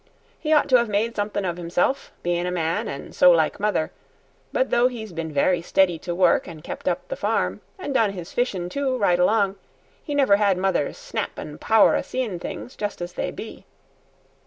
He ought to have made something o' himself, bein' a man an' so like mother; but though he's been very steady to work, an' kept up the farm, an' done his fishin' too right along, he never had mother's snap an' power o' seein' things just as they be.